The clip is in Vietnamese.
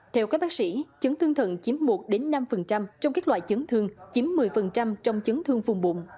theo các bác sĩ chấn thương thận chiếm một năm trong các loại chấn thương chiếm một mươi trong chấn thương vùng bụng